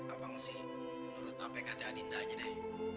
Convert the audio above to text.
abang sih menurut apk tia dinda aja deh